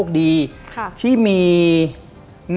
ดิงกระพวน